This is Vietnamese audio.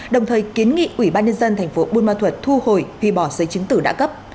đồng thời kiến nghị ủy ban nhân dân thành phố buôn ma thuật thu hồi huy bỏ giới chứng tử đã cấp